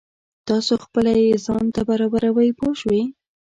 تاسو خپله یې ځان ته برابروئ پوه شوې!.